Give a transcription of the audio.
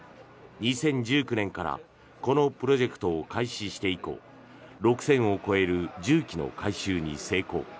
２０１９年からこのプロジェクトを開始して以降６０００を超える銃器の回収に成功。